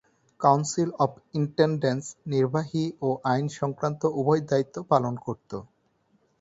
Council of intendants নির্বাহী ও আইন সংক্রান্ত উভয় দায়িত্ব পালন করত।